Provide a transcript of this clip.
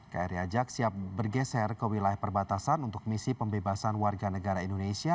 kri ajak siap bergeser ke wilayah perbatasan untuk misi pembebasan warga negara indonesia